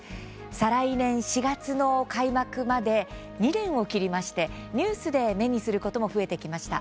再来年４月の開幕まで２年を切りニュースで目にすることも増えてきました。